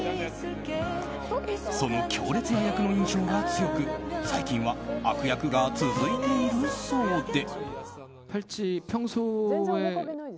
その強烈な役の印象が強く最近は悪役が続いているそうで。